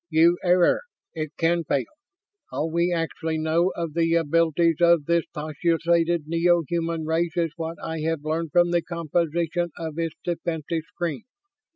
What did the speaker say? "You err. It can fail. All we actually know of the abilities of this postulated neo human race is what I have learned from the composition of its defensive screen.